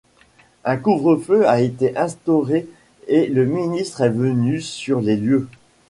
Un couvre-feu a été instauré et le ministre est venu sur les lieux.